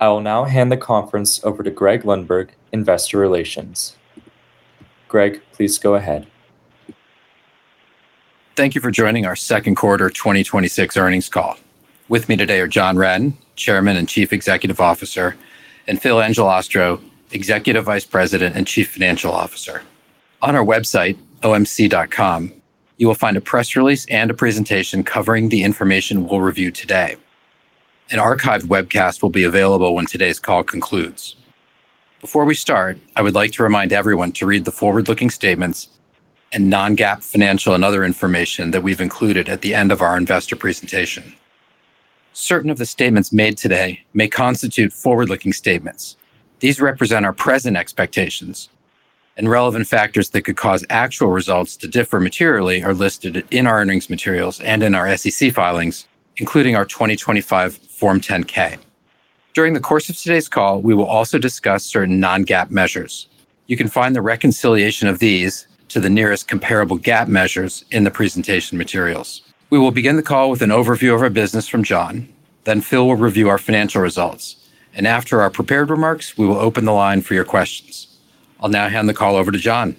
I will now hand the conference over to Greg Lundberg, investor relations. Greg, please go ahead. Thank you for joining our second quarter 2026 earnings call. With me today are John Wren, Chairman and Chief Executive Officer, and Phil Angelastro, Executive Vice President and Chief Financial Officer. On our website, omc.com, you will find a press release and a presentation covering the information we'll review today. An archive webcast will be available when today's call concludes. Before we start, I would like to remind everyone to read the forward-looking statements and non-GAAP financial and other information that we've included at the end of our investor presentation. Certain of the statements made today may constitute forward-looking statements. These represent our present expectations and relevant factors that could cause actual results to differ materially are listed in our earnings materials and in our SEC filings, including our 2025 Form 10-K. During the course of today's call, we will also discuss certain non-GAAP measures. You can find the reconciliation of these to the nearest comparable GAAP measures in the presentation materials. We will begin the call with an overview of our business from John, then Phil will review our financial results. After our prepared remarks, we will open the line for your questions. I'll now hand the call over to John.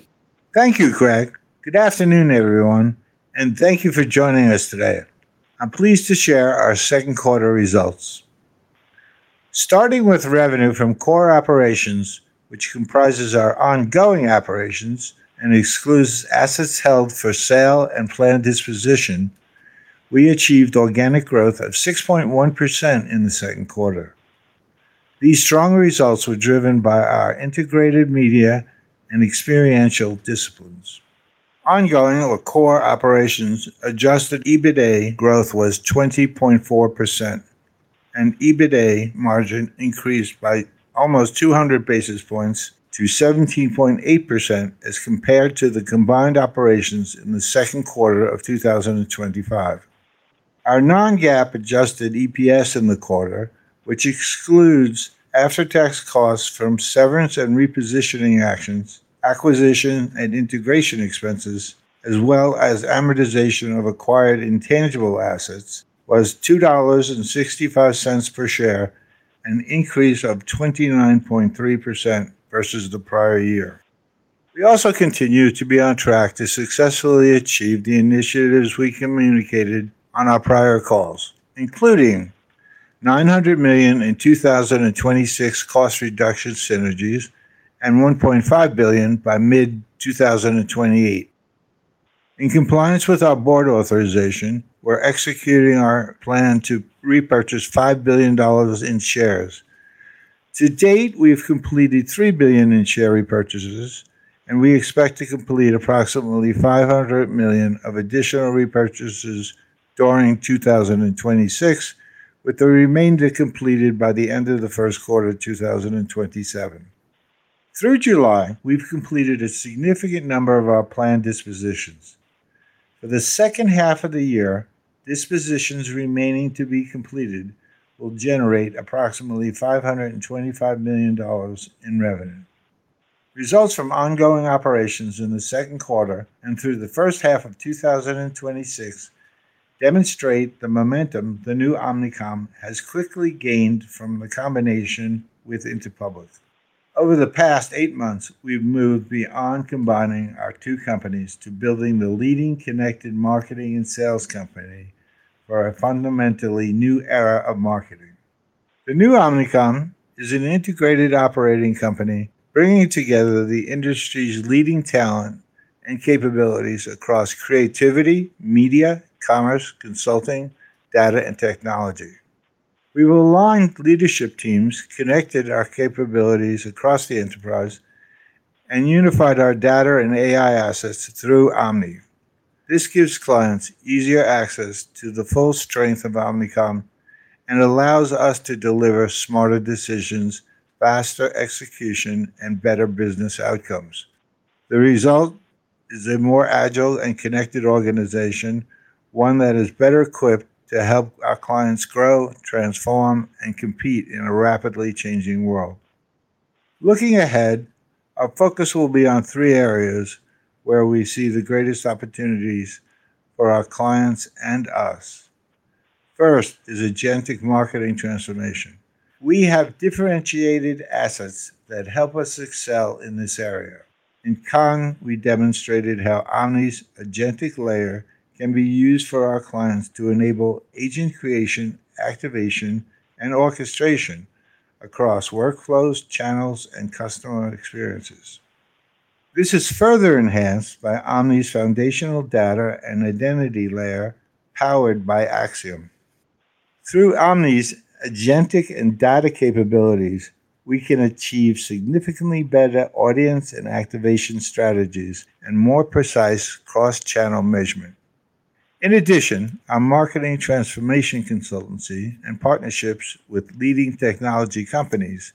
Thank you, Greg. Good afternoon, everyone, and thank you for joining us today. I'm pleased to share our second quarter results. Starting with revenue from core operations, which comprises our ongoing operations and excludes assets held for sale and planned disposition, we achieved organic growth of 6.1% in the second quarter. These strong results were driven by our integrated media and experiential disciplines. Ongoing or core operations adjusted EBITDA growth was 20.4%, and EBITDA margin increased by almost 200 basis points to 17.8% as compared to the combined operations in the second quarter of 2025. Our non-GAAP adjusted EPS in the quarter, which excludes after-tax costs from severance and repositioning actions, acquisition and integration expenses, as well as amortization of acquired intangible assets, was $2.65 per share, an increase of 29.3% versus the prior year. We also continue to be on track to successfully achieve the initiatives we communicated on our prior calls, including $900 million in 2026 cost reduction synergies and $1.5 billion by mid-2028. In compliance with our board authorization, we're executing our plan to repurchase $5 billion in shares. To date, we have completed $3 billion in share repurchases, and we expect to complete approximately $500 million of additional repurchases during 2026, with the remainder completed by the end of the first quarter of 2027. Through July, we've completed a significant number of our planned dispositions. For the second half of the year, dispositions remaining to be completed will generate approximately $525 million in revenue. Results from ongoing operations in the second quarter and through the first half of 2026 demonstrate the momentum the new Omnicom has quickly gained from the combination with Interpublic. Over the past eight months, we've moved beyond combining our two companies to building the leading connected marketing and sales company for a fundamentally new era of marketing. The new Omnicom is an integrated operating company, bringing together the industry's leading talent and capabilities across creativity, media, commerce, consulting, data, and technology. We've aligned leadership teams, connected our capabilities across the enterprise, and unified our data and AI assets through Omni. This gives clients easier access to the full strength of Omnicom and allows us to deliver smarter decisions, faster execution, and better business outcomes. The result is a more agile and connected organization, one that is better equipped to help our clients grow, transform, and compete in a rapidly changing world. Looking ahead, our focus will be on three areas where we see the greatest opportunities for our clients and us. First is agentic marketing transformation. We have differentiated assets that help us excel in this area. In Cannes, we demonstrated how Omni's agentic layer can be used for our clients to enable agent creation, activation, and orchestration across workflows, channels, and customer experiences. This is further enhanced by Omni's foundational data and identity layer powered by Acxiom. Through Omni's agentic and data capabilities, we can achieve significantly better audience and activation strategies and more precise cross-channel measurement. In addition, our marketing transformation consultancy and partnerships with leading technology companies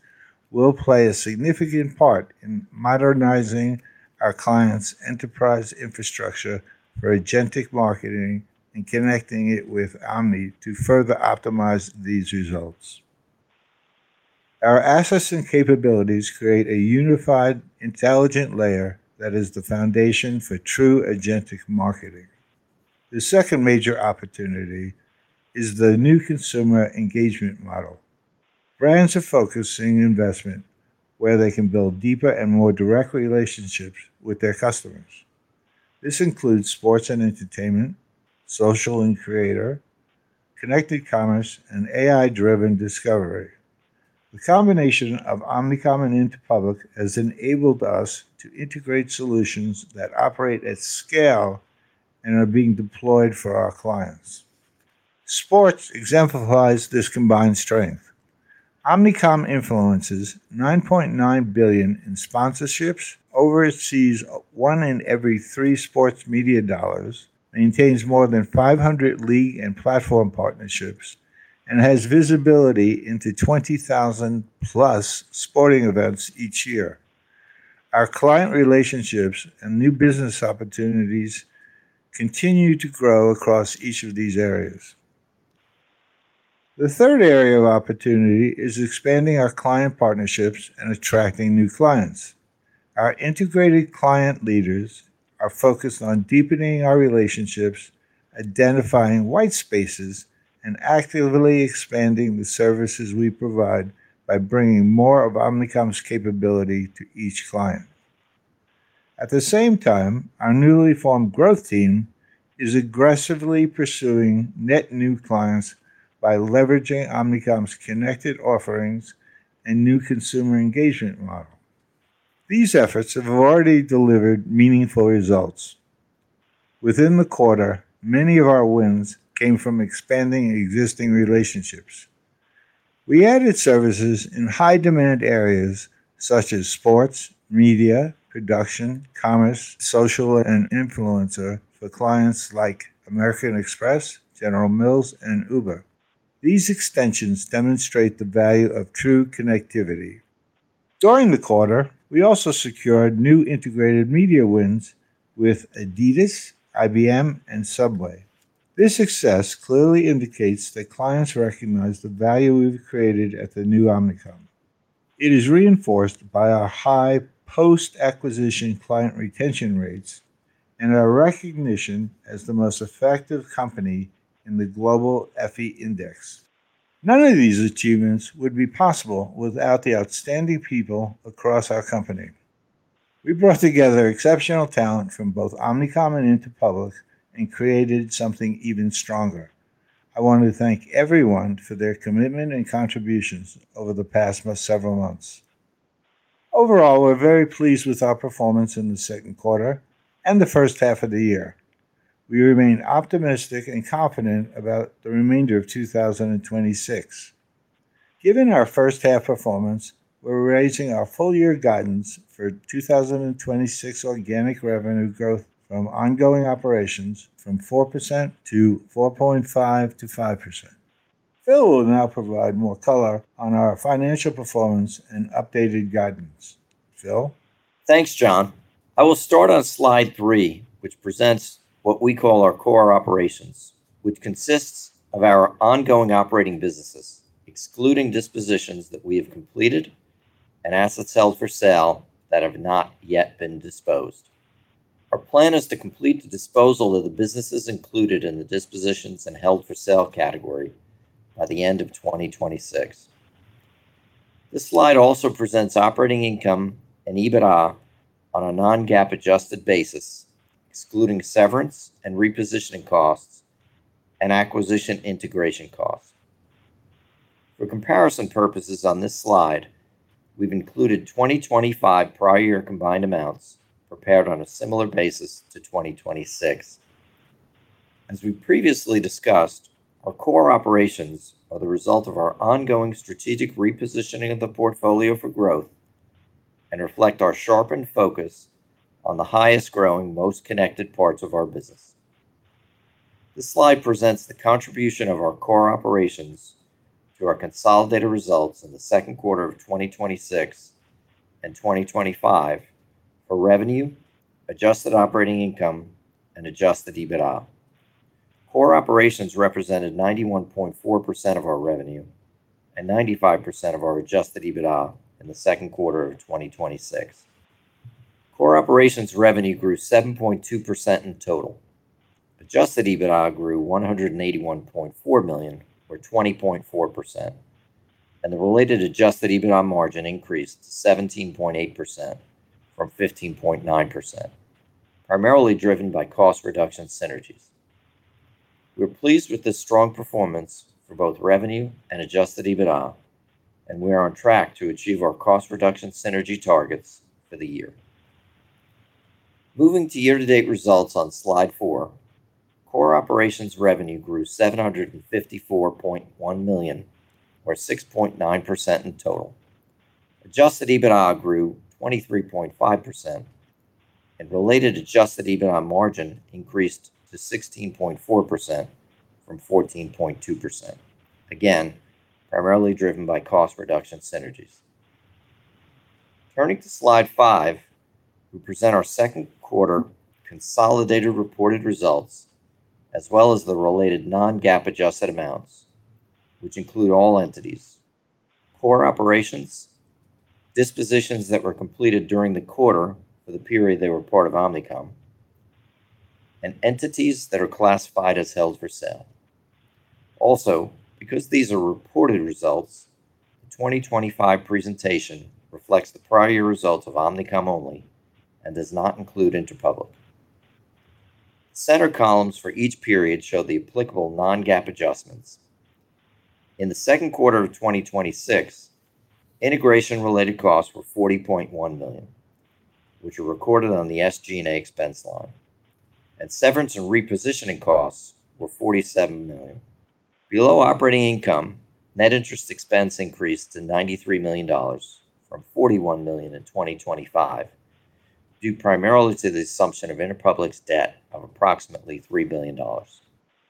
will play a significant part in modernizing our clients' enterprise infrastructure for agentic marketing and connecting it with Omni to further optimize these results. Our assets and capabilities create a unified intelligent layer that is the foundation for true agentic marketing. The second major opportunity is the new consumer engagement model. Brands are focusing investment where they can build deeper and more direct relationships with their customers. This includes sports and entertainment, social and creator, connected commerce, and AI-driven discovery. The combination of Omnicom and Interpublic has enabled us to integrate solutions that operate at scale and are being deployed for our clients. Sports exemplifies this combined strength. Omnicom influences $9.9 billion in sponsorships, oversees one in every three sports media dollars, maintains more than 500 league and platform partnerships, and has visibility into 20,000+ sporting events each year. Our client relationships and new business opportunities continue to grow across each of these areas. The third area of opportunity is expanding our client partnerships and attracting new clients. Our integrated client leaders are focused on deepening our relationships, identifying white spaces, and actively expanding the services we provide by bringing more of Omnicom's capability to each client. At the same time, our newly formed growth team is aggressively pursuing net new clients by leveraging Omnicom's connected offerings and new consumer engagement model. These efforts have already delivered meaningful results. Within the quarter, many of our wins came from expanding existing relationships. We added services in high-demand areas such as sports, media, production, commerce, social, and influencer for clients like American Express, General Mills, and Uber. These extensions demonstrate the value of true connectivity. During the quarter, we also secured new integrated media wins with Adidas, IBM, and Subway. This success clearly indicates that clients recognize the value we've created at the new Omnicom. It is reinforced by our high post-acquisition client retention rates and our recognition as the most effective company in the global Effie Index. None of these achievements would be possible without the outstanding people across our company. We brought together exceptional talent from both Omnicom and Interpublic and created something even stronger. I want to thank everyone for their commitment and contributions over the past several months. Overall, we're very pleased with our performance in the second quarter and the first half of the year. We remain optimistic and confident about the remainder of 2026. Given our first half performance, we're raising our full-year guidance for 2026 organic revenue growth from ongoing operations from 4% to 4.5% to 5%. Phil will now provide more color on our financial performance and updated guidance. Phil? Thanks, John. I will start on slide three, which presents what we call our core operations, which consists of our ongoing operating businesses, excluding dispositions that we have completed and assets held for sale that have not yet been disposed. Our plan is to complete the disposal of the businesses included in the dispositions and held for sale category by the end of 2026. This slide also presents operating income and EBITDA on a non-GAAP adjusted basis, excluding severance and repositioning costs and acquisition integration costs. For comparison purposes on this slide, we've included 2025 prior year combined amounts prepared on a similar basis to 2026. As we previously discussed, our core operations are the result of our ongoing strategic repositioning of the portfolio for growth and reflect our sharpened focus on the highest growing, most connected parts of our business. This slide presents the contribution of our core operations to our consolidated results in the second quarter of 2026 and 2025 for revenue, adjusted operating income, and adjusted EBITDA. Core operations represented 91.4% of our revenue and 95% of our adjusted EBITDA in the second quarter of 2026. Core operations revenue grew 7.2% in total. Adjusted EBITDA grew $181.4 million or 20.4%, and the related adjusted EBITDA margin increased to 17.8% from 15.9%, primarily driven by cost reduction synergies. We're pleased with this strong performance for both revenue and adjusted EBITDA, and we are on track to achieve our cost reduction synergy targets for the year. Moving to year-to-date results on slide four, core operations revenue grew $754.1 million or 6.9% in total. Adjusted EBITDA grew 23.5%, and related adjusted EBITDA margin increased to 16.4% from 14.2%, again, primarily driven by cost reduction synergies. Turning to slide five, we present our second quarter consolidated reported results, as well as the related non-GAAP adjusted amounts, which include all entities, core operations dispositions that were completed during the quarter for the period they were part of Omnicom, and entities that are classified as held for sale. Also, because these are reported results, the 2025 presentation reflects the prior year results of Omnicom only and does not include Interpublic. The center columns for each period show the applicable non-GAAP adjustments. In the second quarter of 2026, integration-related costs were $40.1 million, which were recorded on the SG&A expense line, and severance and repositioning costs were $47 million. Below operating income, net interest expense increased to $93 million from $41 million in 2025, due primarily to the assumption of Interpublic's debt of approximately $3 billion.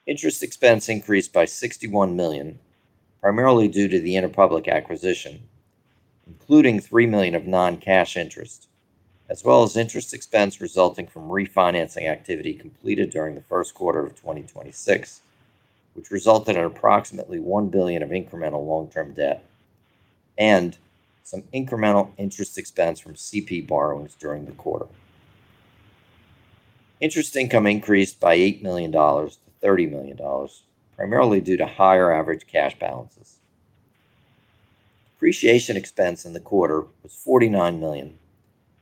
Interest expense increased by $61 million, primarily due to the Interpublic acquisition, including $3 million of non-cash interest, as well as interest expense resulting from refinancing activity completed during the first quarter of 2026, which resulted in approximately $1 billion of incremental long-term debt and some incremental interest expense from CP borrowings during the quarter. Interest income increased by $8 million to $30 million, primarily due to higher average cash balances. Depreciation expense in the quarter was $49 million,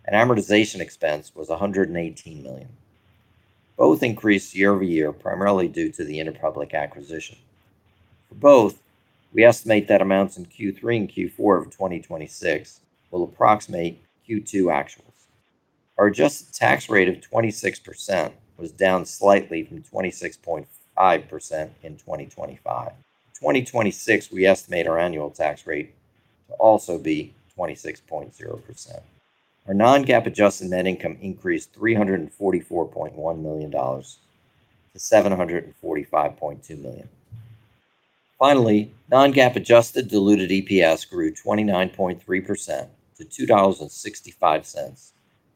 and amortization expense was $118 million. Both increased year-over-year, primarily due to the Interpublic acquisition. For both, we estimate that amounts in Q3 and Q4 of 2026 will approximate Q2 actuals. Our adjusted tax rate of 26% was down slightly from 26.5% in 2025. In 2026, we estimate our annual tax rate to also be 26.0%. Our non-GAAP adjusted net income increased $344.1 million to $745.2 million. Finally, non-GAAP adjusted diluted EPS grew 29.3% to $2.65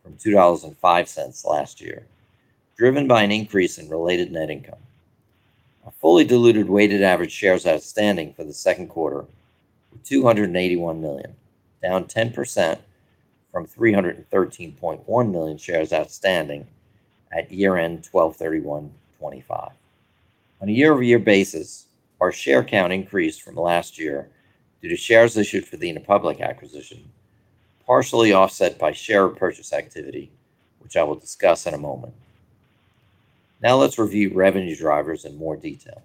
from $2.05 last year, driven by an increase in related net income. Our fully diluted weighted average shares outstanding for the second quarter were 281 million, down 10% from 313.1 million shares outstanding at year-end 12/31/2025. On a year-over-year basis, our share count increased from last year due to shares issued for the Interpublic acquisition, partially offset by share repurchase activity, which I will discuss in a moment. Let's review revenue drivers in more detail,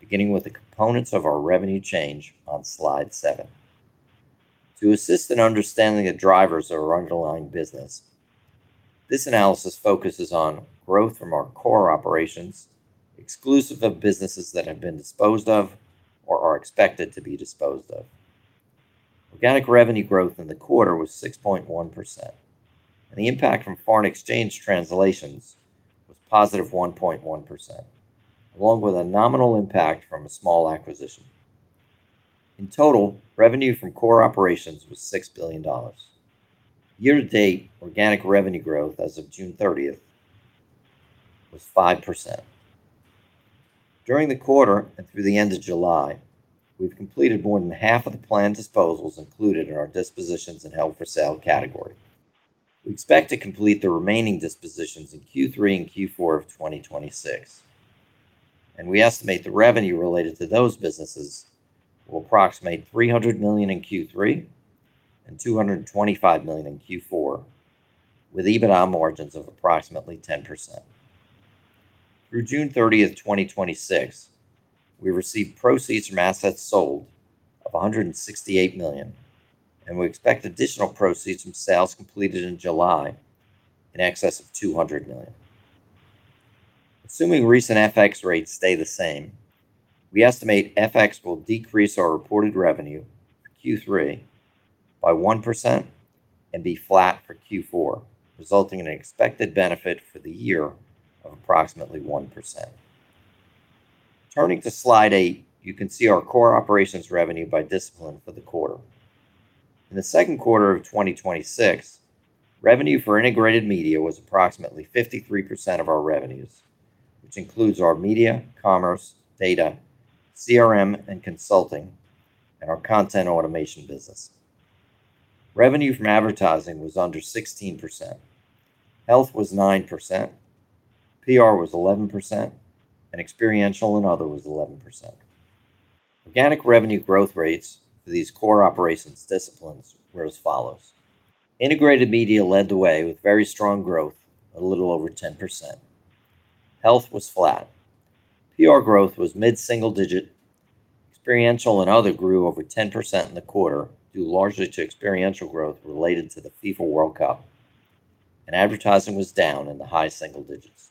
beginning with the components of our revenue change on slide seven. To assist in understanding the drivers of our underlying business, this analysis focuses on growth from our core operations, exclusive of businesses that have been disposed of or are expected to be disposed of. Organic revenue growth in the quarter was 6.1%. The impact from foreign exchange translations was +1.1%, along with a nominal impact from a small acquisition. In total, revenue from core operations was $6 billion. Year-to-date organic revenue growth as of June 30th was 5%. During the quarter and through the end of July, we've completed more than half of the planned disposals included in our dispositions and held for sale category. We expect to complete the remaining dispositions in Q3 and Q4 of 2026, and we estimate the revenue related to those businesses will approximate $300 million in Q3 and $225 million in Q4, with EBITDA margins of approximately 10%. Through June 30th, 2026, we received proceeds from assets sold of $168 million, and we expect additional proceeds from sales completed in July in excess of $200 million. Assuming recent FX rates stay the same, we estimate FX will decrease our reported revenue for Q3 by 1% and be flat for Q4, resulting in an expected benefit for the year of approximately 1%. Turning to slide eight, you can see our core operations revenue by discipline for the quarter. In the second quarter of 2026, revenue for integrated media was approximately 53% of our revenues, which includes our media, commerce, data, CRM and consulting, and our content automation business. Revenue from advertising was under 16%, health was 9%, PR was 11%, and experiential and other was 11%. Organic revenue growth rates for these core operations disciplines were as follows: integrated media led the way with very strong growth, a little over 10%. Health was flat. PR growth was mid-single digit. Experiential and other grew over 10% in the quarter, due largely to experiential growth related to the FIFA World Cup. Advertising was down in the high single digits.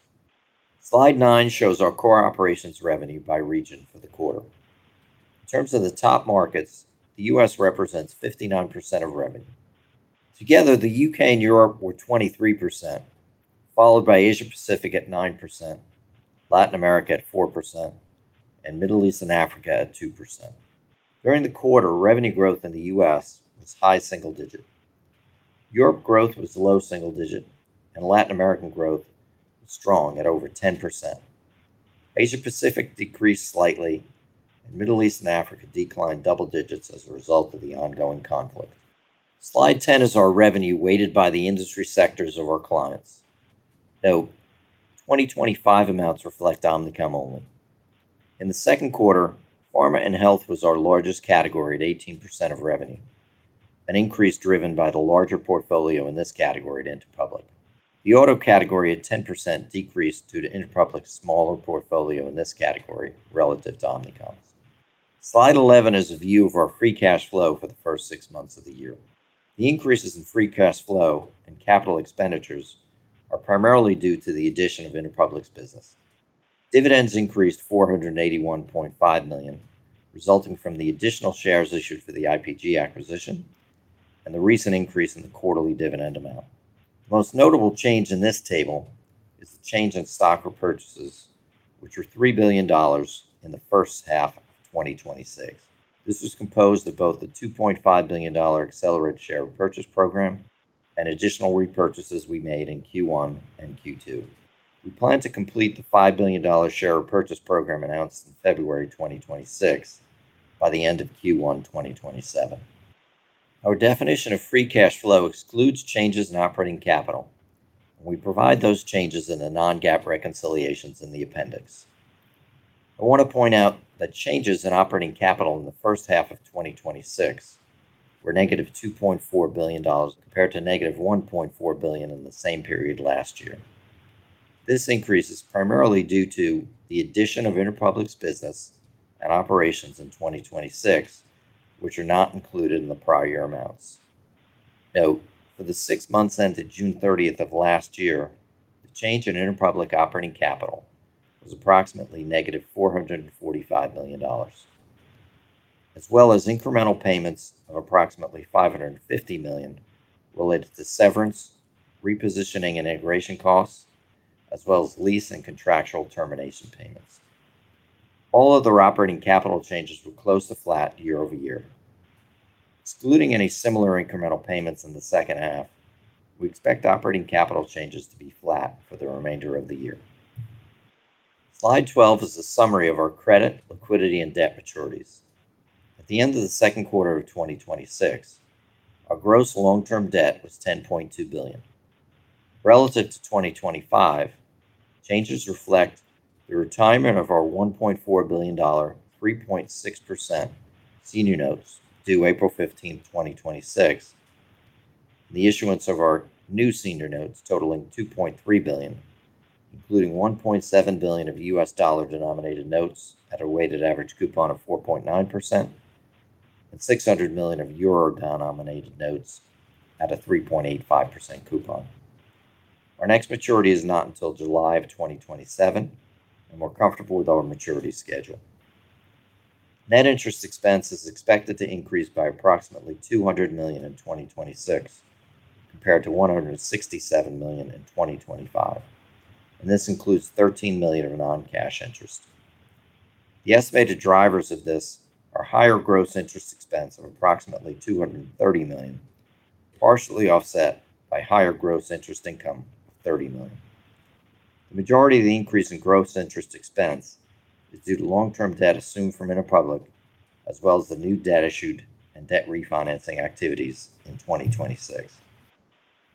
Slide nine shows our core operations revenue by region for the quarter. In terms of the top markets, the U.S. represents 59% of revenue. Together, the U.K. and Europe were 23%, followed by Asia Pacific at 9%, Latin America at 4%, and Middle East and Africa at 2%. During the quarter, revenue growth in the U.S. was high single digit Europe growth was low single digit, and Latin American growth was strong at over 10%. Asia Pacific decreased slightly, and Middle East and Africa declined double digits as a result of the ongoing conflict. Slide 10 is our revenue weighted by the industry sectors of our clients, though 2025 amounts reflect Omnicom only. In the second quarter, pharma and health was our largest category at 18% of revenue, an increase driven by the larger portfolio in this category at Interpublic. The auto category at 10% decreased due to Interpublic's smaller portfolio in this category relative to Omnicom's. Slide 11 is a view of our free cash flow for the first six months of the year. The increases in free cash flow and capital expenditures are primarily due to the addition of Interpublic's business. Dividends increased $481.5 million, resulting from the additional shares issued for the IPG acquisition and the recent increase in the quarterly dividend amount. The most notable change in this table is the change in stock repurchases, which were $3 billion in the first half of 2026. This was composed of both the $2.5 billion accelerated share repurchase program and additional repurchases we made in Q1 and Q2. We plan to complete the $5 billion share repurchase program announced in February 2026 by the end of Q1 2027. Our definition of free cash flow excludes changes in operating capital. We provide those changes in the non-GAAP reconciliations in the appendix. I want to point out that changes in operating capital in the first half of 2026 were -$2.4 billion compared to -$1.4 billion in the same period last year. This increase is primarily due to the addition of Interpublic's business and operations in 2026, which are not included in the prior year amounts. Note, for the six months ended June 30th of last year, the change in Interpublic operating capital was approximately -$445 million, as well as incremental payments of approximately $550 million related to severance, repositioning, and integration costs, as well as lease and contractual termination payments. All other operating capital changes were close to flat year-over-year. Excluding any similar incremental payments in the second half, we expect operating capital changes to be flat for the remainder of the year. Slide 12 is a summary of our credit, liquidity, and debt maturities. At the end of the second quarter of 2026, our gross long-term debt was $10.2 billion. Relative to 2025, changes reflect the retirement of our $1.4 billion, 3.6% senior notes due April 15, 2026, the issuance of our new senior notes totaling $2.3 billion, including $1.7 billion of U.S. dollar-denominated notes at a weighted average coupon of 4.9% and 600 million of euro-denominated notes at a 3.85% coupon. Our next maturity is not until July of 2027. We're comfortable with our maturity schedule. Net interest expense is expected to increase by approximately $200 million in 2026 compared to $167 million in 2025. This includes $13 million of non-cash interest. The estimated drivers of this are higher gross interest expense of approximately $230 million, partially offset by higher gross interest income of $30 million. The majority of the increase in gross interest expense is due to long-term debt assumed from Interpublic, as well as the new debt issued and debt refinancing activities in 2026.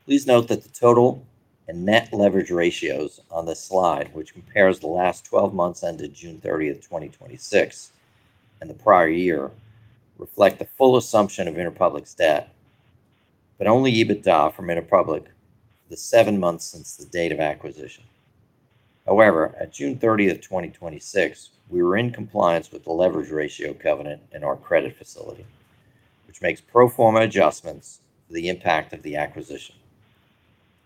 Please note that the total and net leverage ratios on this slide, which compares the last 12 months ended June 30, 2026, and the prior year reflect the full assumption of Interpublic's debt, but only EBITDA from Interpublic for the seven months since the date of acquisition. At June 30, 2026, we were in compliance with the leverage ratio covenant in our credit facility, which makes pro forma adjustments for the impact of the acquisition.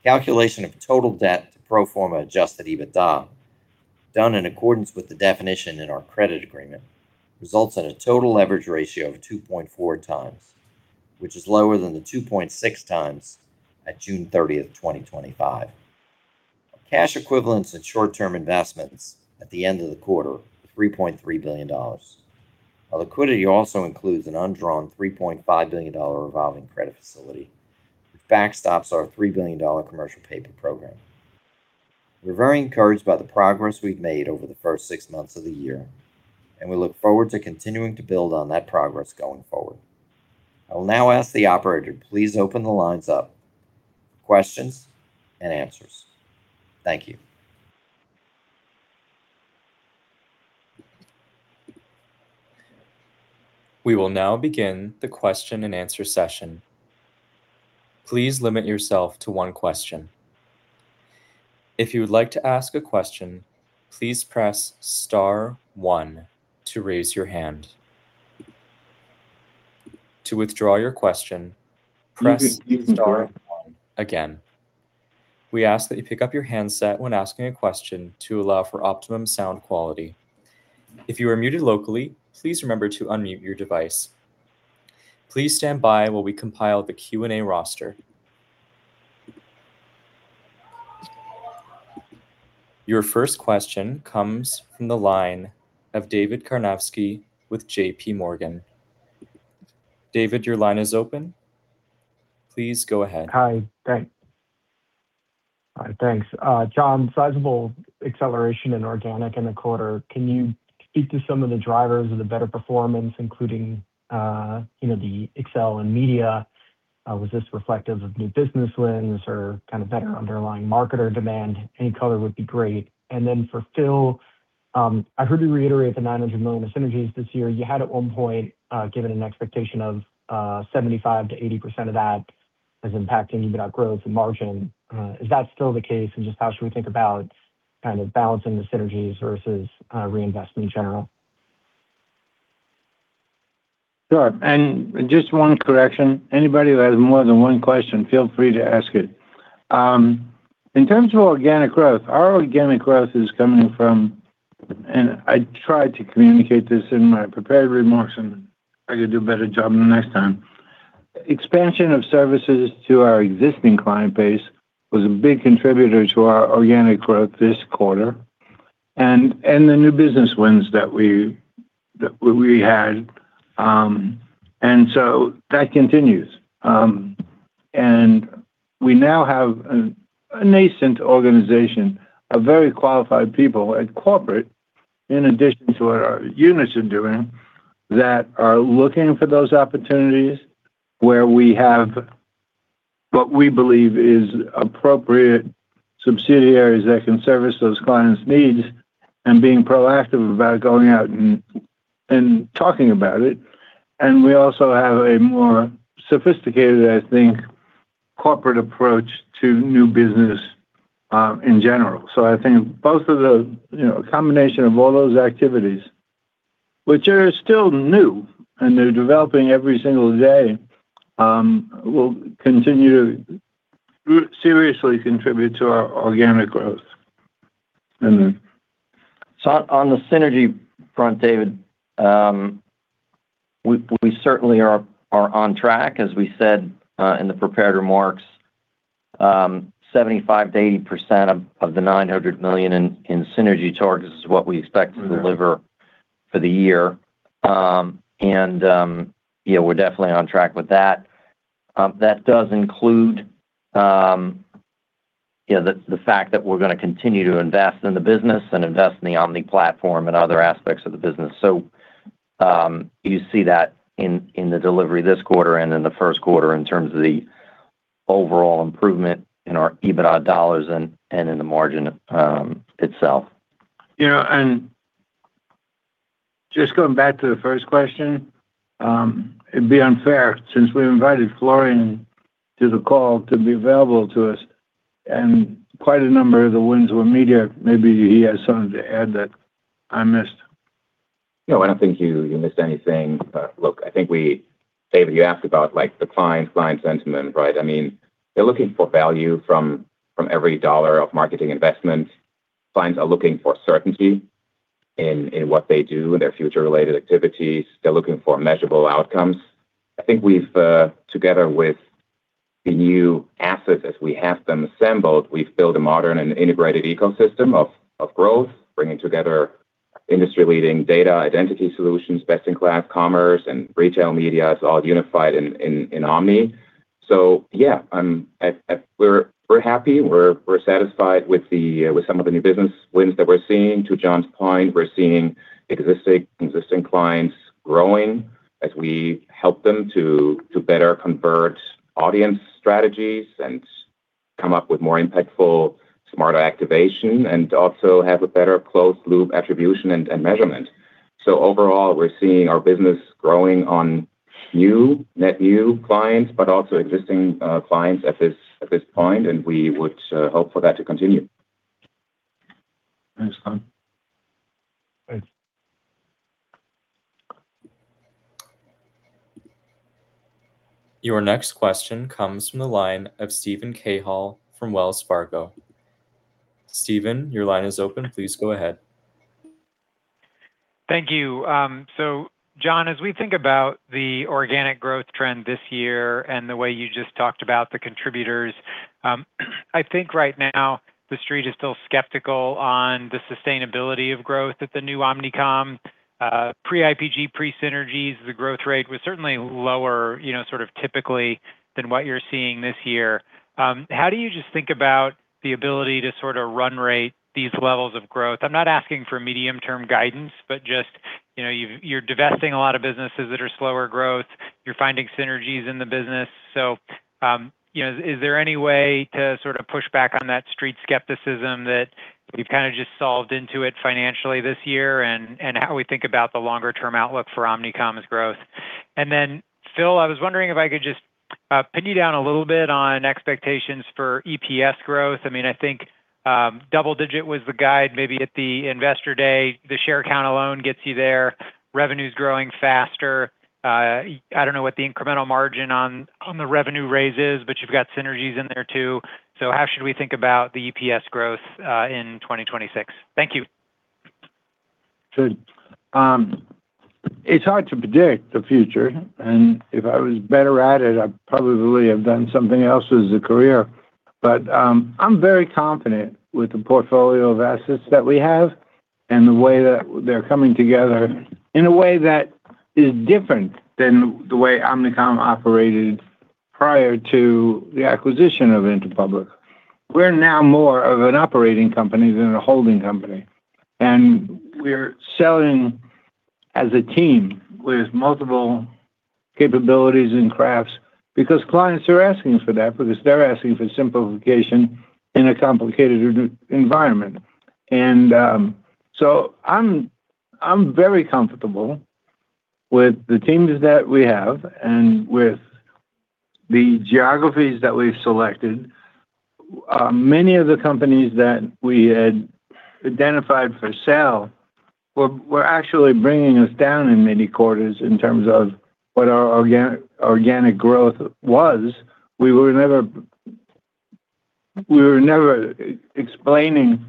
Calculation of total debt to pro forma adjusted EBITDA, done in accordance with the definition in our credit agreement, results in a total leverage ratio of 2.4x, which is lower than the 2.6x at June 30, 2025. Our cash equivalents and short-term investments at the end of the quarter were $3.3 billion. Our liquidity also includes an undrawn $3.5 billion revolving credit facility, which backstops our $3 billion commercial paper program. We're very encouraged by the progress we've made over the first six months of the year. We look forward to continuing to build on that progress going forward. I will now ask the operator to please open the lines up for questions and answers. Thank you. We will now begin the question-and-answer session. Please limit yourself to one question. If you would like to ask a question, please press star one to raise your hand. To withdraw your question, press star one again. We ask that you pick up your handset when asking a question to allow for optimum sound quality. If you are muted locally, please remember to unmute your device. Please stand by while we compile the Q&A roster. Your first question comes from the line of David Karnovsky with JPMorgan. David, your line is open. Please go ahead. Hi, thanks. John, sizable acceleration in organic in the quarter. Can you speak to some of the drivers of the better performance, including the Accel and media? Was this reflective of new business wins or kind of better underlying marketer demand? Any color would be great. Then for Phil, I heard you reiterate the $900 million of synergies this year. You had at one point, given an expectation of 75%-80% of that as impacting EBITA growth and margin. Is that still the case how should we think about kind of balancing the synergies versus reinvestment in general? Sure. Just one correction, anybody who has more than one question, feel free to ask it. In terms of organic growth, our organic growth is coming from, I tried to communicate this in my prepared remarks and I could do a better job the next time. Expansion of services to our existing client base was a big contributor to our organic growth this quarter and the new business wins that we had, that continues. We now have a nascent organization of very qualified people at corporate in addition to what our units are doing, that are looking for those opportunities where we have what we believe is appropriate subsidiaries that can service those clients' needs and being proactive about going out and talking about it. We also have a more sophisticated, I think, corporate approach to new business in general. I think both of the combination of all those activities, which are still new and they're developing every single day, will continue to seriously contribute to our organic growth. On the synergy front, David, we certainly are on track, as we said in the prepared remarks, 75%-80% of the $900 million in synergy targets is what we expect to deliver for the year. We're definitely on track with that. That does include the fact that we're going to continue to invest in the business and invest in the Omni platform and other aspects of the business. You see that in the delivery this quarter and in the first quarter in terms of the overall improvement in our EBITA dollars and in the margin itself. Just going back to the first question, it'd be unfair since we've invited Florian to the call to be available to us and quite a number of the wins were media, maybe he has something to add that I missed. No, I don't think you missed anything. Look, I think David, you asked about the client sentiment, right? They're looking for value from every dollar of marketing investment. Clients are looking for certainty in what they do in their future-related activities. They're looking for measurable outcomes. I think we've, together with the new assets as we have them assembled, we've built a modern and integrated ecosystem of growth, bringing together industry-leading data, identity solutions, best-in-class commerce and retail media. It's all unified in Omni. Yeah, we're happy. We're satisfied with some of the new business wins that we're seeing. To John's point, we're seeing existing clients growing as we help them to better convert audience strategies and come up with more impactful, smarter activation and also have a better closed loop attribution and measurement. Overall, we're seeing our business growing on net new clients, but also existing clients at this point, and we would hope for that to continue. Thanks, Florian. Thanks. Your next question comes from the line of Steven Cahall from Wells Fargo. Steven, your line is open. Please go ahead. Thank you. John, as we think about the organic growth trend this year and the way you just talked about the contributors, I think right now the Street is still skeptical on the sustainability of growth at the new Omnicom. Pre-IPG, pre-synergies, the growth rate was certainly lower sort of typically than what you're seeing this year. How do you just think about the ability to sort of run rate these levels of growth? I'm not asking for medium-term guidance, but just you're divesting a lot of businesses that are slower growth. You're finding synergies in the business. Is there any way to sort of push back on that Street skepticism that you've kind of just solved into it financially this year and how we think about the longer-term outlook for Omnicom's growth? Phil, I was wondering if I could just pin you down a little bit on expectations for EPS growth. I think double-digit was the guide, maybe at the investor day. The share count alone gets you there. Revenue's growing faster. I don't know what the incremental margin on the revenue raise is, but you've got synergies in there too. How should we think about the EPS growth in 2026? Thank you. It's hard to predict the future, if I was better at it, I'd probably have done something else as a career. I'm very confident with the portfolio of assets that we have and the way that they're coming together in a way that is different than the way Omnicom operated prior to the acquisition of Interpublic. We're now more of an operating company than a holding company, and we're selling as a team with multiple capabilities and crafts because clients are asking for that, because they're asking for simplification in a complicated environment. I'm very comfortable with the teams that we have and with the geographies that we've selected. Many of the companies that we had identified for sale were actually bringing us down in many quarters in terms of what our organic growth was. We were never explaining,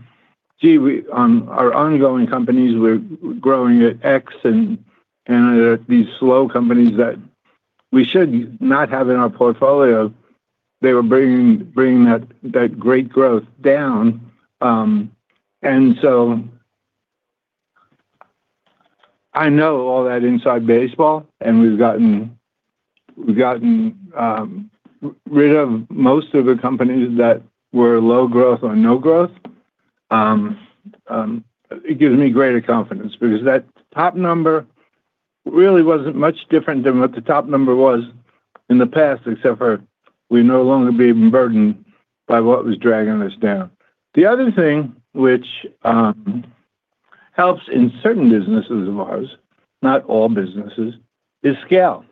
"Gee, on our ongoing companies, we're growing at X, and there are these slow companies that we should not have in our portfolio." They were bringing that great growth down. I know all that inside baseball, and we've gotten rid of most of the companies that were low growth or no growth. It gives me greater confidence because that top number really wasn't much different than what the top number was in the past, except for we're no longer being burdened by what was dragging us down. The other thing which helps in certain businesses of ours, not all businesses, is scale.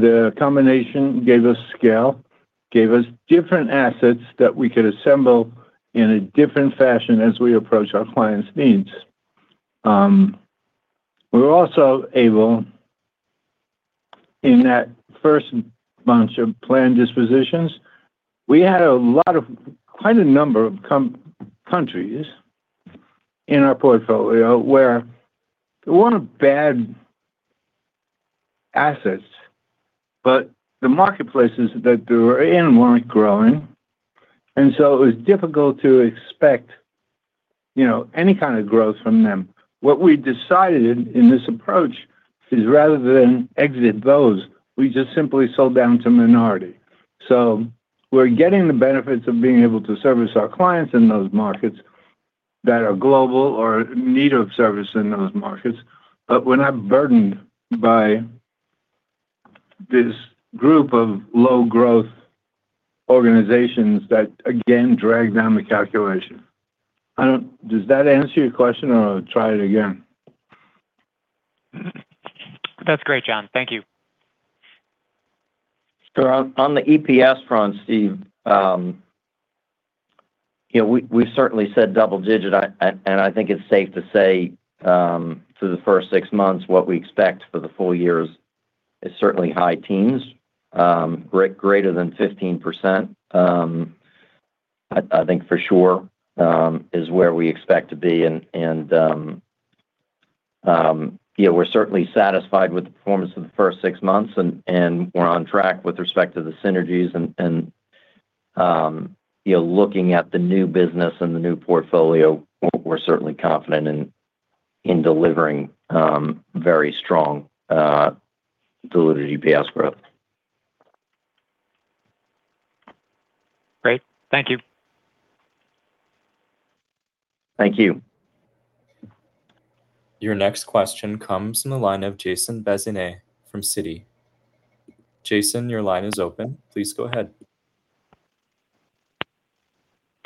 The combination gave us scale, gave us different assets that we could assemble in a different fashion as we approach our clients' needs. We were also able, in that first bunch of planned dispositions, we had quite a number of countries in our portfolio where they weren't bad assets, but the marketplaces that they were in weren't growing, it was difficult to expect any kind of growth from them. What we decided in this approach is rather than exit those, we just simply sold down to minority. We're getting the benefits of being able to service our clients in those markets that are global or in need of service in those markets. We're not burdened by this group of low-growth organizations that, again, drag down the calculation. Does that answer your question, or try it again? That's great, John. Thank you. On the EPS front, Steve, we certainly said double digit, and I think it's safe to say, for the first six months, what we expect for the full year is certainly high teens. Greater than 15%, I think for sure, is where we expect to be. We're certainly satisfied with the performance of the first six months, and we're on track with respect to the synergies. Looking at the new business and the new portfolio, we're certainly confident in delivering very strong diluted EPS growth. Great. Thank you. Thank you. Your next question comes from the line of Jason Bazinet from Citi. Jason, your line is open. Please go ahead.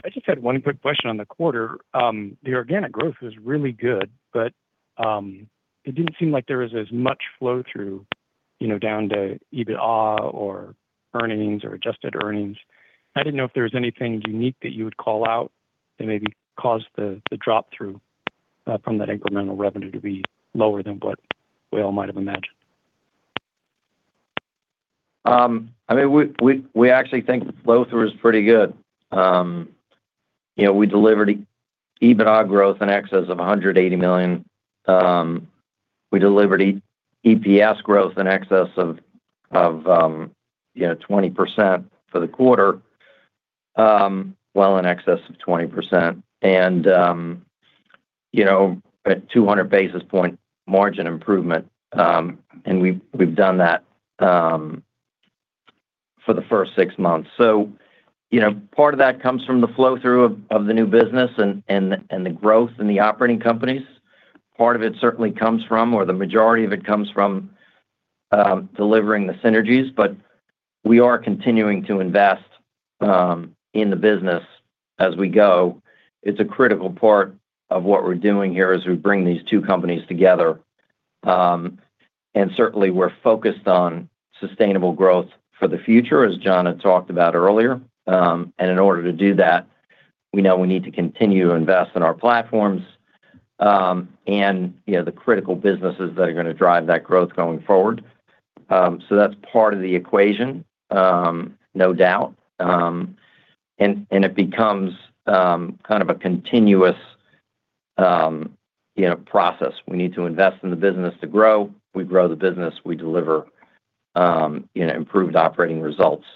I just had one quick question on the quarter. The organic growth was really good. It didn't seem like there was as much flow-through, down to EBITDA or earnings or adjusted earnings. I didn't know if there was anything unique that you would call out that maybe caused the drop-through from that incremental revenue to be lower than what we all might have imagined. We actually think the flow-through is pretty good. We delivered EBITDA growth in excess of $180 million. We delivered EPS growth in excess of 20% for the quarter. Well in excess of 20%. At 200 basis points margin improvement, and we've done that for the first six months. Part of that comes from the flow-through of the new business and the growth in the operating companies. Part of it certainly comes from, or the majority of it comes from delivering the synergies, but we are continuing to invest in the business as we go. It's a critical part of what we're doing here as we bring these two companies together. Certainly, we're focused on sustainable growth for the future, as John had talked about earlier. In order to do that, we know we need to continue to invest in our platforms, and the critical businesses that are going to drive that growth going forward. That's part of the equation, no doubt. It becomes kind of a continuous process. We need to invest in the business to grow. We grow the business, we deliver improved operating results,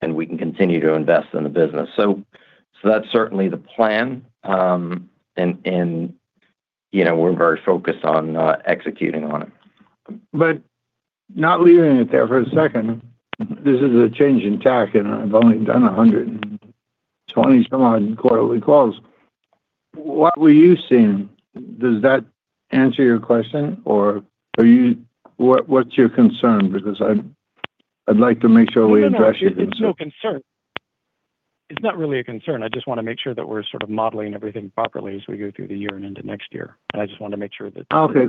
and we can continue to invest in the business. That's certainly the plan, and we're very focused on executing on it. Not leaving it there for a second, this is a change in tack, and I've only done 120-some-odd quarterly calls. What were you seeing? Does that answer your question, or what's your concern? Because I'd like to make sure we address it. No, it's no concern. It's not really a concern. I just want to make sure that we're sort of modeling everything properly as we go through the year and into next year. I just want to make sure that. Okay.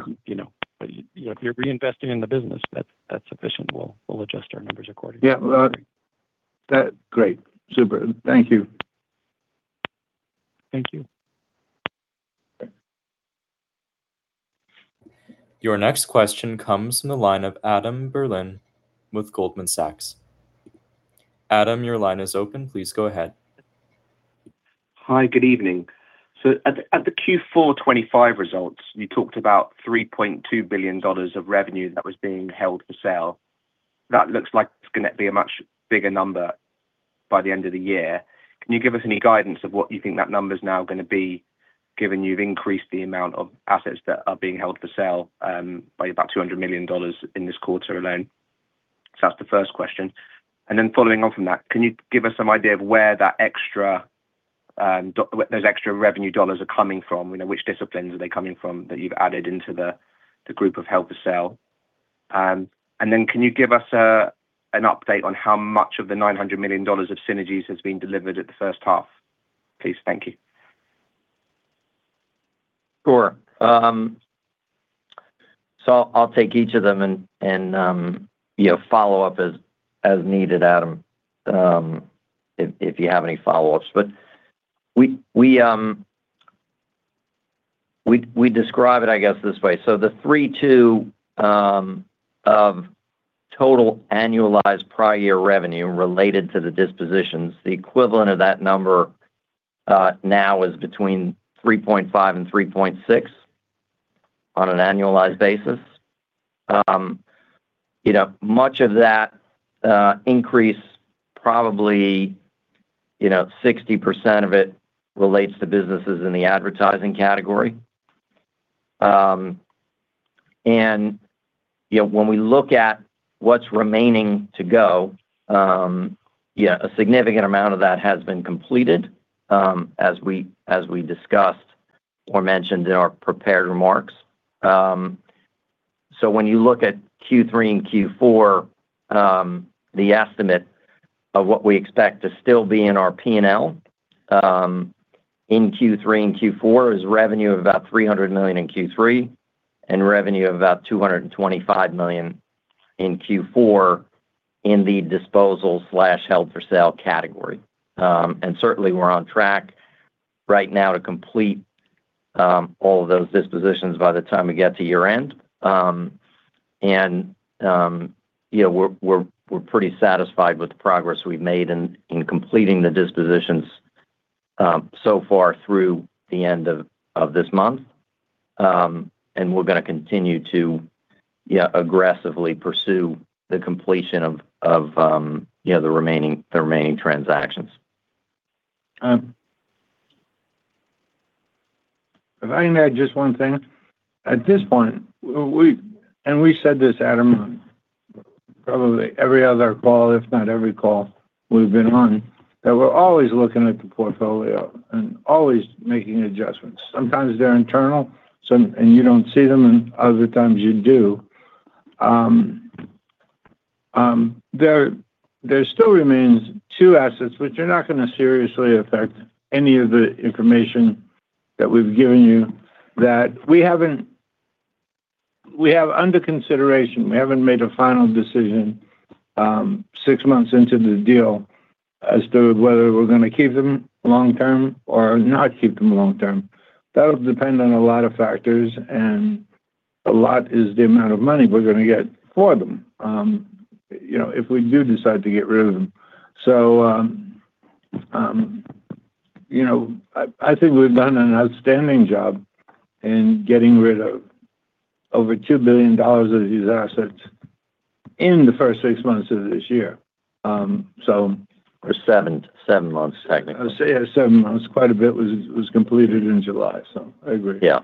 If you're reinvesting in the business, that's sufficient. We'll adjust our numbers accordingly. Yeah. Great. Super. Thank you. Thank you. Your next question comes from the line of Adam Berlin with Goldman Sachs. Adam, your line is open. Please go ahead. Hi. Good evening. At the Q4 2025 results, you talked about $3.2 billion of revenue that was being held for sale. That looks like it's going to be a much bigger number by the end of the year. Can you give us any guidance of what you think that number's now going to be, given you've increased the amount of assets that are being held for sale by about $200 million in this quarter alone? That's the first question. Following on from that, can you give us some idea of where those extra revenue dollars are coming from? Which disciplines are they coming from that you've added into the group of held for sale? Can you give us an update on how much of the $900 million of synergies has been delivered at the first half, please? Thank you. Sure. I'll take each of them and follow up as needed, Adam, if you have any follow-ups. We describe it, I guess, this way. The $3.2 billion of total annualized prior year revenue related to the dispositions, the equivalent of that number now is between $3.5 billion-$3.6 billion on an annualized basis. Much of that increase, probably 60% of it relates to businesses in the advertising category. When we look at what's remaining to go, a significant amount of that has been completed, as we discussed or mentioned in our prepared remarks. When you look at Q3 and Q4, the estimate of what we expect to still be in our P&L in Q3 and Q4 is revenue of about $300 million in Q3, and revenue of about $225 million in Q4 in the disposal/held for sale category. Certainly, we're on track right now to complete all of those dispositions by the time we get to year-end. We're pretty satisfied with the progress we've made in completing the dispositions so far through the end of this month. We're going to continue to aggressively pursue the completion of the remaining transactions. If I may add just one thing. At this point, we said this, Adam, on probably every other call, if not every call we've been on, that we're always looking at the portfolio and always making adjustments. Sometimes they're internal, and you don't see them, and other times you do. There still remains two assets, which are not going to seriously affect any of the information that we've given you, that we have under consideration. We haven't made a final decision six months into the deal as to whether we're going to keep them long-term or not keep them long-term. That'll depend on a lot of factors, and a lot is the amount of money we're going to get for them if we do decide to get rid of them. I think we've done an outstanding job in getting rid of over $2 billion of these assets in the first six months of this year. Seven months, technically. I say seven months. Quite a bit was completed in July, so I agree. Yeah.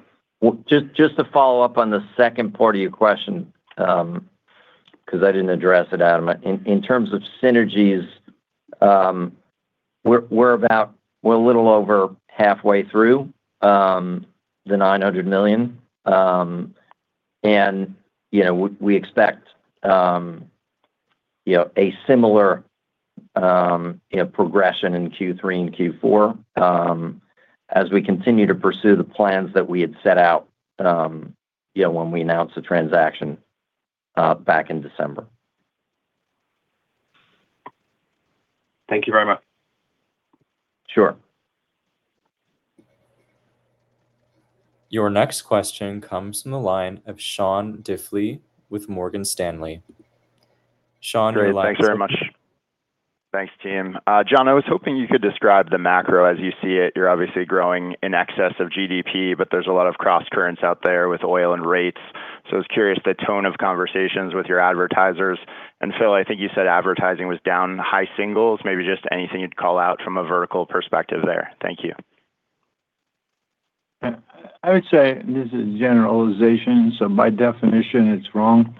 Just to follow up on the second part of your question, because I didn't address it, Adam. In terms of synergies, we're a little over halfway through the $900 million. We expect a similar progression in Q3 and Q4 as we continue to pursue the plans that we had set out when we announced the transaction back in December. Thank you very much. Your next question comes from the line of Sean Diffley with Morgan Stanley. Sean, your line is open. Great. Thanks very much. Thanks, team. John, I was hoping you could describe the macro as you see it. You're obviously growing in excess of GDP, but there's a lot of crosscurrents out there with oil and rates. I was curious the tone of conversations with your advertisers. Phil, I think you said advertising was down high singles. Maybe just anything you'd call out from a vertical perspective there. Thank you. I would say this is a generalization, by definition it's wrong.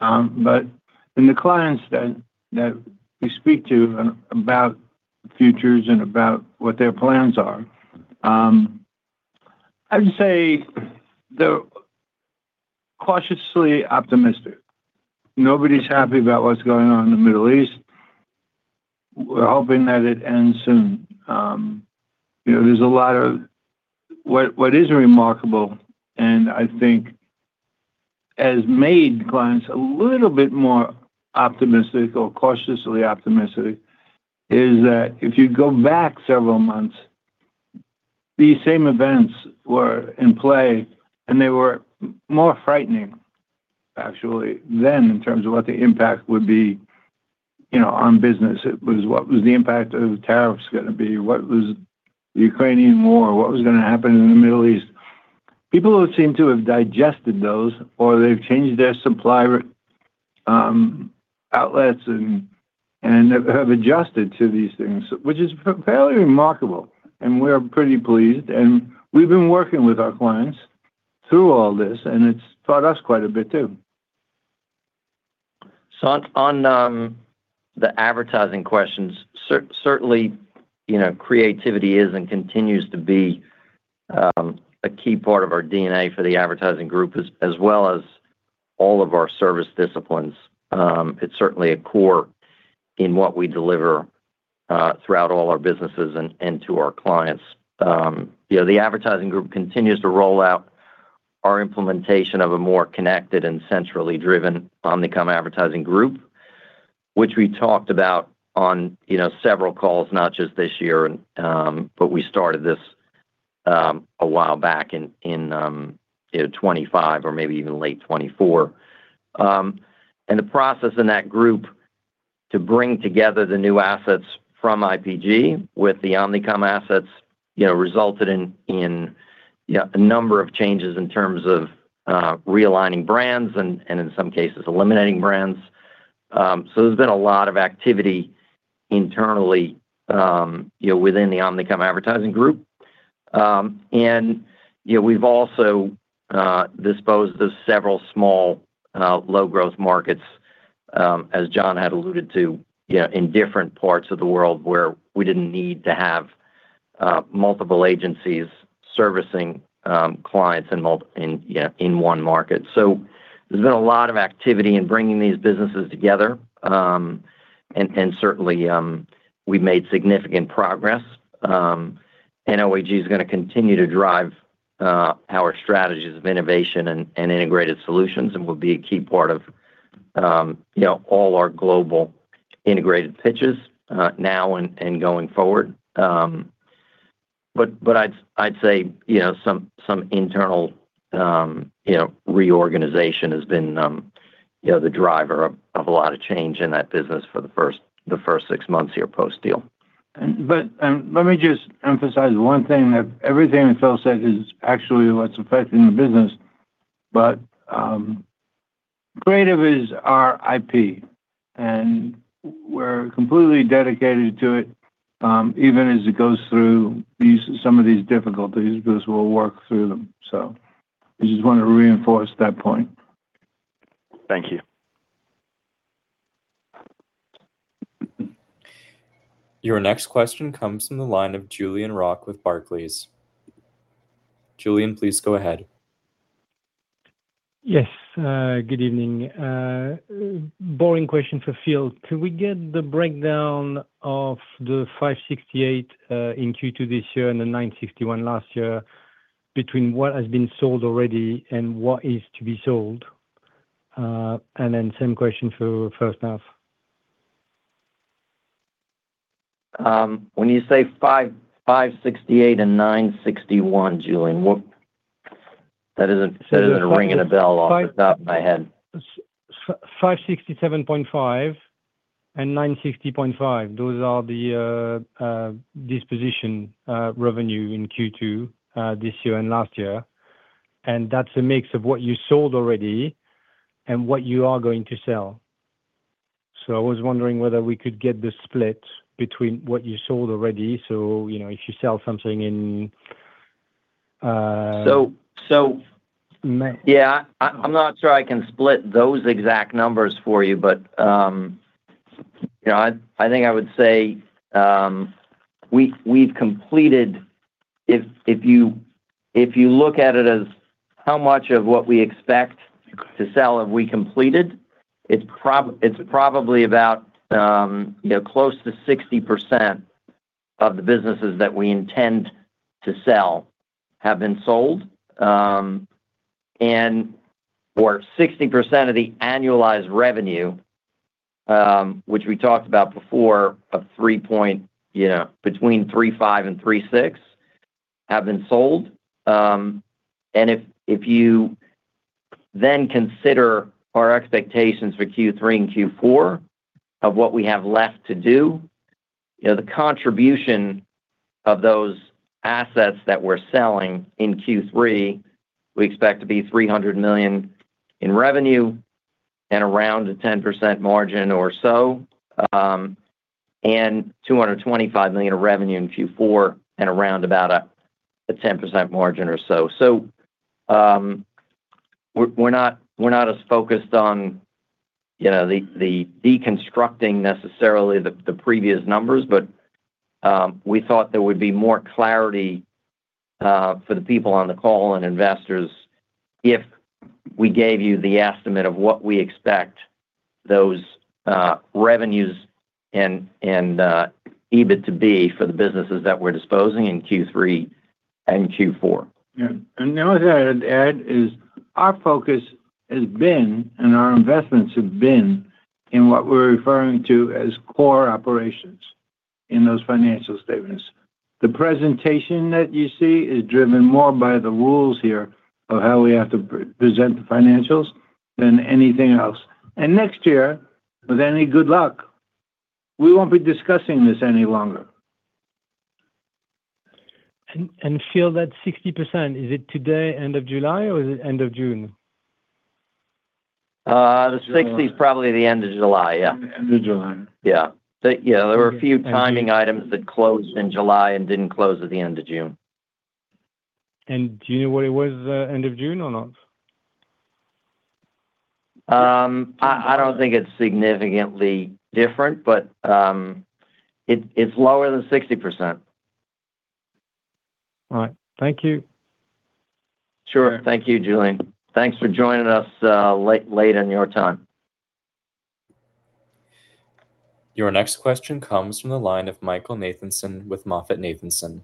In the clients that we speak to about futures and about what their plans are, I would say they're cautiously optimistic. Nobody's happy about what's going on in the Middle East. We're hoping that it ends soon. What is remarkable, and I think has made clients a little bit more optimistic or cautiously optimistic, is that if you go back several months, these same events were in play and they were more frightening actually then in terms of what the impact would be on business. It was what was the impact of the tariffs going to be, what was the Ukrainian war, what was going to happen in the Middle East. People seem to have digested those, or they've changed their supply outlets and have adjusted to these things, which is fairly remarkable, and we're pretty pleased. We've been working with our clients through all this, and it's taught us quite a bit too. On the advertising questions, certainly creativity is and continues to be a key part of our DNA for the advertising group as well as all of our service disciplines. It's certainly a core in what we deliver throughout all our businesses and to our clients. The advertising group continues to roll out our implementation of a more connected and centrally driven Omnicom Advertising Group, which we talked about on several calls, not just this year, but we started this a while back in 2025 or maybe even late 2024. The process in that group to bring together the new assets from IPG with the Omnicom assets resulted in a number of changes in terms of realigning brands and in some cases eliminating brands. There's been a lot of activity internally within the Omnicom Advertising Group. We've also disposed of several small low-growth markets, as John had alluded to, in different parts of the world where we didn't need to have multiple agencies servicing clients in one market. There's been a lot of activity in bringing these businesses together, and certainly we've made significant progress. OAG is going to continue to drive our strategies of innovation and integrated solutions and will be a key part of all our global integrated pitches now and going forward. I'd say some internal reorganization has been the driver of a lot of change in that business for the first six months here post-deal. Let me just emphasize one thing. That everything that Phil said is actually what's affecting the business, but creative is our IP, and we're completely dedicated to it, even as it goes through some of these difficulties, because we'll work through them. I just want to reinforce that point. Thank you. Your next question comes from the line of Julien Roch with Barclays. Julien, please go ahead. Yes. Good evening. Boring question for Phil. Could we get the breakdown of the $568 million in Q2 this year and the $961 million last year between what has been sold already and what is to be sold? Same question for first half. When you say $568 million and $961 million, Julien, that isn't ringing a bell off the top of my head. $567.5 million and $960.5 million. Those are the disposition revenue in Q2 this year and last year. That's a mix of what you sold already and what you are going to sell. I was wondering whether we could get the split between what you sold already. If you sell something in May. Yeah. I'm not sure I can split those exact numbers for you, but I think I would say if you look at it as how much of what we expect to sell have we completed, it's probably about close to 60% of the businesses that we intend to sell have been sold, or 60% of the annualized revenue Which we talked about before, between $3.5 billion and $3.6 billion have been sold. If you then consider our expectations for Q3 and Q4 of what we have left to do, the contribution of those assets that we're selling in Q3, we expect to be $300 million in revenue and around a 10% margin or so, and $225 million of revenue in Q4 and around about a 10% margin or so. We're not as focused on the deconstructing necessarily the previous numbers, but we thought there would be more clarity for the people on the call and investors if we gave you the estimate of what we expect those revenues and EBIT to be for the businesses that we're disposing in Q3 and Q4. Yeah. The only thing I'd add is our focus has been, and our investments have been, in what we're referring to as core operations in those financial statements. The presentation that you see is driven more by the rules here of how we have to present the financials than anything else. Next year, with any good luck, we won't be discussing this any longer. Phil, that 60%, is it today, end of July, or is it end of June? The 60% is probably the end of July, yeah. End of July. Yeah. There were a few timing items that closed in July and didn't close at the end of June. Do you know what it was end of June or not? I don't think it's significantly different, but it's lower than 60%. All right. Thank you. Sure. Thank you, Julien. Thanks for joining us late in your time. Your next question comes from the line of Michael Nathanson with MoffettNathanson.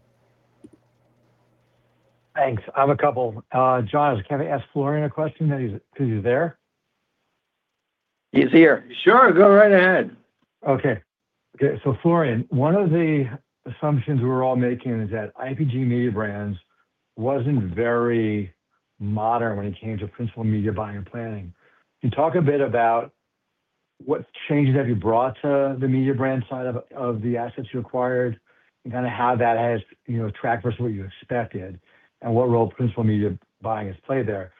Thanks. I have a couple. John, can I ask Florian a question, that is, if he's there? He's here. Sure, go right ahead. Okay. Florian, one of the assumptions we're all making is that IPG Mediabrands wasn't very modern when it came to principal media buying and planning. Can you talk a bit about what changes have you brought to the Mediabrands side of the assets you acquired, and how that has tracked versus what you expected, and what role principal media buying has played there?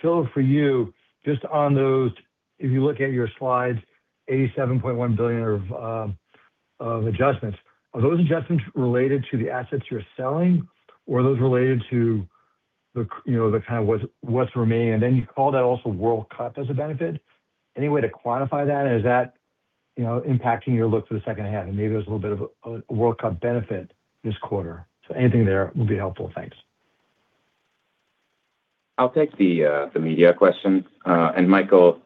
Phil, for you, just on those, if you look at your slides, $87.1 billion of adjustments. Are those adjustments related to the assets you're selling or are those related to the, kind of what's remaining? You call that also World Cup as a benefit. Any way to quantify that? Is that impacting your look for the second half? Maybe there's a little bit of a World Cup benefit this quarter. Anything there would be helpful. Thanks. I'll take the media question. Michael,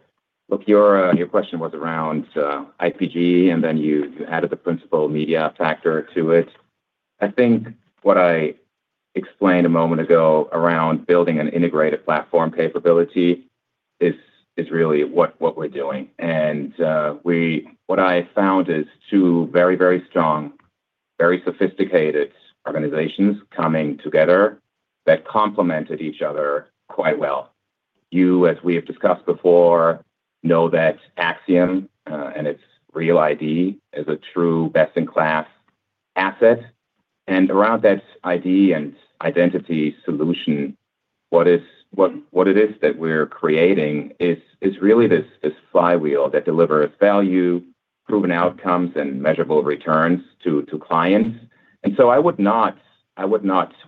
look, your question was around IPG, you added the principal media factor to it. I think what I explained a moment ago around building an integrated platform capability is really what we're doing. What I found is two very strong, very sophisticated organizations coming together that complemented each other quite well. You, as we have discussed before, know that Acxiom and its Real ID is a true best-in-class asset. Around that ID and identity solution, what it is that we're creating is really this flywheel that delivers value, proven outcomes, and measurable returns to clients. I would not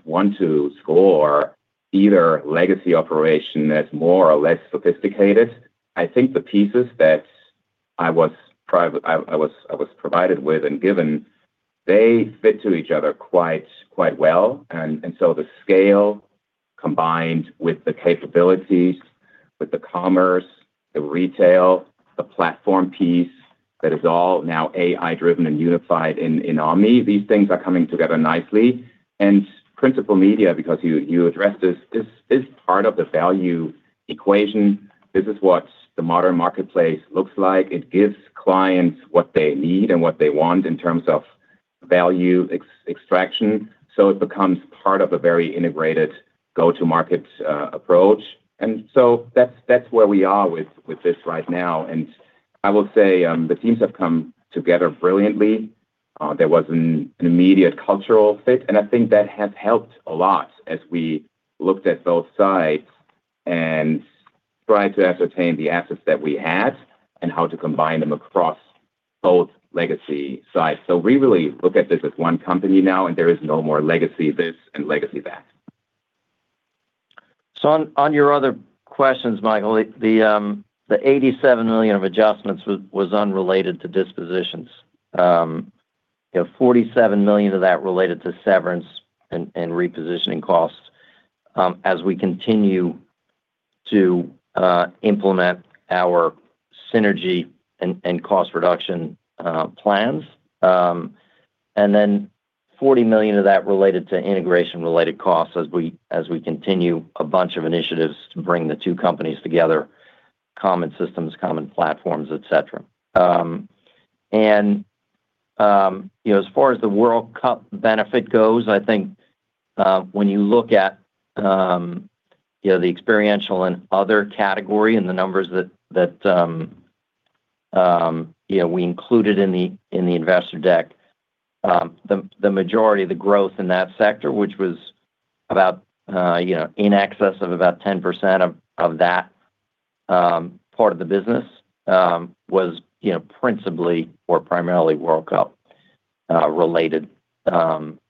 want to score either legacy operation as more or less sophisticated. I think the pieces that I was provided with and given, they fit to each other quite well. The scale combined with the capabilities, with the commerce, the retail, the platform piece that is all now AI-driven and unified in Omni, these things are coming together nicely. Principal media, because you addressed this, is part of the value equation. This is what the modern marketplace looks like. It gives clients what they need and what they want in terms of value extraction. It becomes part of a very integrated go-to-market approach. That's where we are with this right now. I will say, the teams have come together brilliantly. There was an immediate cultural fit, and I think that has helped a lot as we looked at both sides and tried to ascertain the assets that we had and how to combine them across both legacy sides. We really look at this as one company now, there is no more legacy this and legacy that. On your other questions, Michael, the $87 million of adjustments was unrelated to dispositions. $47 million of that related to severance and repositioning costs as we continue to implement our synergy and cost reduction plans. $40 million of that related to integration-related costs as we continue a bunch of initiatives to bring the two companies together, common systems, common platforms, et cetera. As far as the World Cup benefit goes, I think when you look at the experiential and other category and the numbers that we included in the investor deck. The majority of the growth in that sector, which was in excess of about 10% of that part of the business, was principally or primarily World Cup related.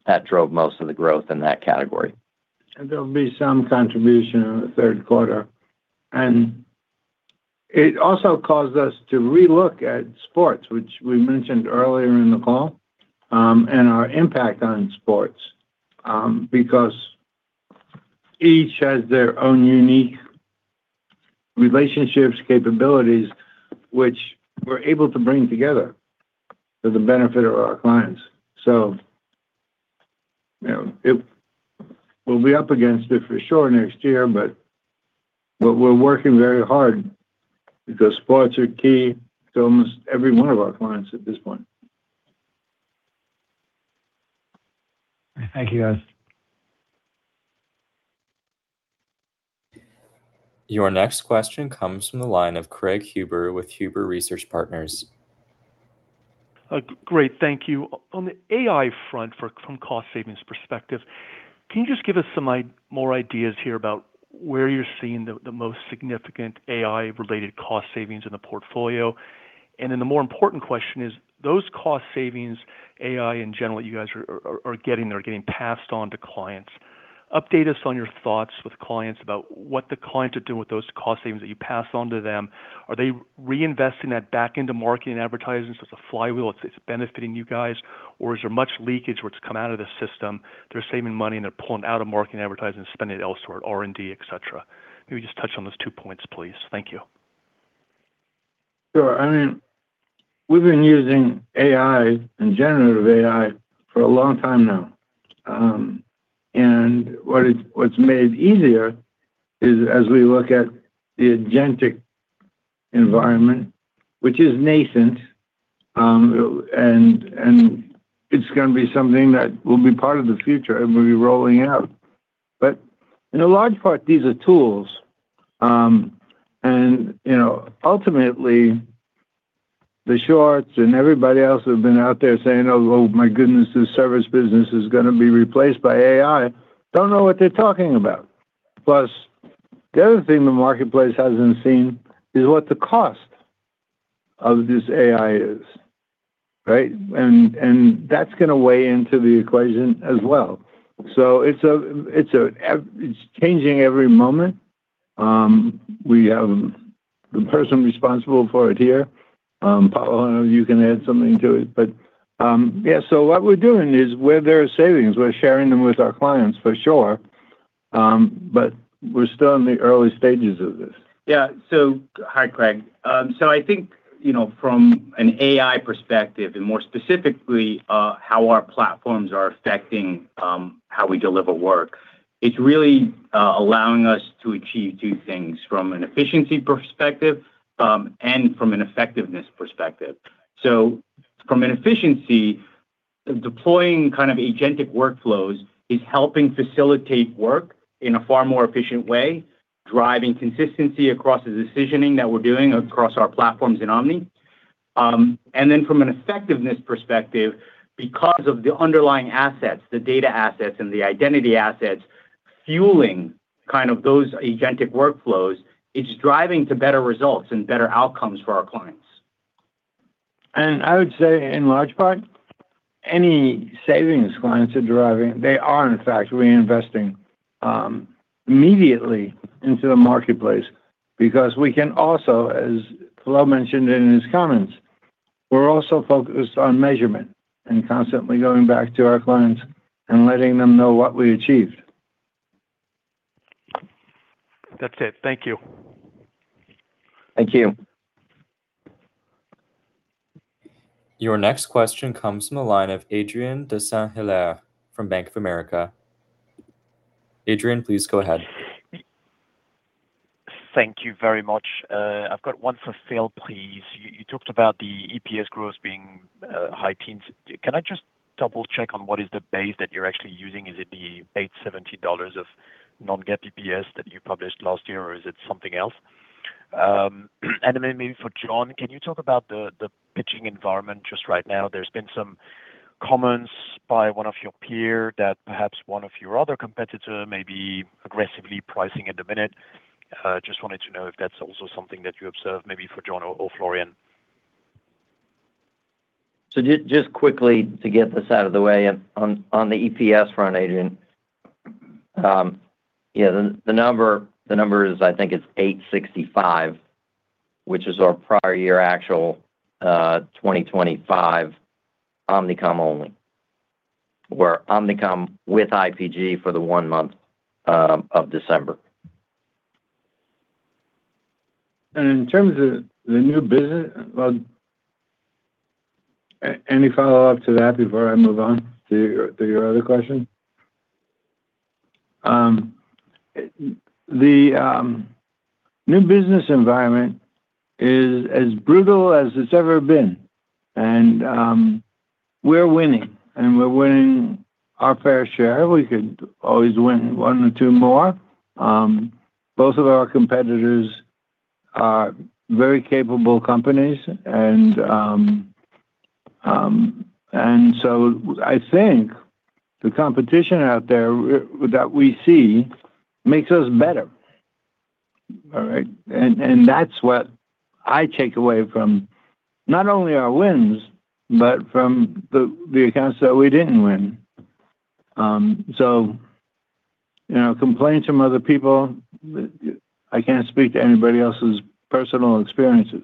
That drove most of the growth in that category. There'll be some contribution in the third quarter. It also caused us to re-look at sports, which we mentioned earlier in the call, and our impact on sports. Each has their own unique relationships, capabilities, which we're able to bring together for the benefit of our clients. We'll be up against it for sure next year, we're working very hard because sports are key to almost every one of our clients at this point. Thank you, guys. Your next question comes from the line of Craig Huber with Huber Research Partners. Great, thank you. On the AI front from a cost savings perspective, can you just give us some more ideas here about where you're seeing the most significant AI-related cost savings in the portfolio? The more important question is, those cost savings, AI in general, you guys are getting, they're getting passed on to clients. Update us on your thoughts with clients about what the clients are doing with those cost savings that you pass on to them. Are they reinvesting that back into marketing and advertising, so it's a flywheel, it's benefiting you guys? Or is there much leakage where it's come out of the system, they're saving money and they're pulling out of marketing, advertising, and spending it elsewhere, R&D, et cetera? Maybe just touch on those two points, please. Thank you. Sure. We've been using AI and generative AI for a long time now. What's made easier is as we look at the agentic environment, which is nascent, and it's going to be something that will be part of the future and will be rolling out. In a large part, these are tools. Ultimately, the shorts and everybody else who have been out there saying, "Oh, my goodness, this service business is going to be replaced by AI," don't know what they're talking about. Plus, the other thing the marketplace hasn't seen is what the cost of this AI is, right? That's going to weigh into the equation as well. It's changing every moment. We have the person responsible for it here. Paolo, I don't know if you can add something to it. What we're doing is where there are savings, we're sharing them with our clients, for sure. We're still in the early stages of this. Hi, Craig. I think from an AI perspective, and more specifically, how our platforms are affecting how we deliver work, it's really allowing us to achieve two things, from an efficiency perspective and from an effectiveness perspective. From an efficiency, deploying agentic workflows is helping facilitate work in a far more efficient way, driving consistency across the decisioning that we're doing across our platforms in Omni. From an effectiveness perspective, because of the underlying assets, the data assets and the identity assets fueling those agentic workflows, it's driving to better results and better outcomes for our clients. I would say, in large part, any savings clients are deriving, they are in fact reinvesting immediately into the marketplace because we can also, as Paolo mentioned in his comments, we're also focused on measurement and constantly going back to our clients and letting them know what we achieved. That's it. Thank you. Thank you. Your next question comes from the line of Adrien de Saint Hilaire from Bank of America. Adrien, please go ahead. Thank you very much. I've got one for Phil, please. You talked about the EPS growth being high teens. Can I just double-check on what is the base that you're actually using? Is it the $8.70 of non-GAAP EPS that you published last year, or is it something else? Maybe for John, can you talk about the pitching environment just right now? There's been some comments by one of your peer that perhaps one of your other competitor may be aggressively pricing at the minute. Just wanted to know if that's also something that you observed, maybe for John or Florian. Just quickly to get this out of the way, on the EPS front, Adrien. The number is, I think it's $8.65, which is our prior year actual, 2025 Omnicom only, or Omnicom with IPG for the one month of December. In terms of the new business. Any follow-up to that before I move on to your other question? The new business environment is as brutal as it's ever been. We're winning, and we're winning our fair share. We could always win one or two more. Both of our competitors are very capable companies. I think the competition out there that we see makes us better. All right? That's what I take away from not only our wins, but from the accounts that we didn't win. Complaints from other people, I can't speak to anybody else's personal experiences.